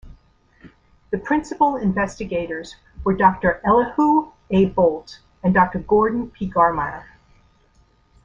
The Principal Investigators were Doctor Elihu A. Boldt and Doctor Gordon P. Garmire.